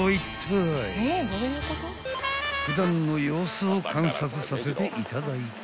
［普段の様子を観察させていただいた］